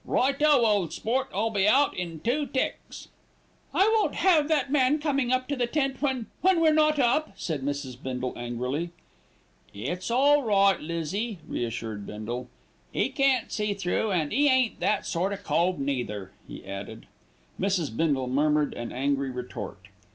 "Righto, ole sport. I'll be out in two ticks." "I won't have that man coming up to the tent when when we're not up," said Mrs. Bindle angrily. "It's all right, Lizzie," reassured Bindle, "'e can't see through an' 'e ain't that sort o' cove neither," he added. Mrs. Bindle murmured an angry retort.